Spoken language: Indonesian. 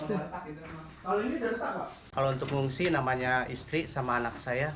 kalau untuk mengungsi namanya istri sama anak saya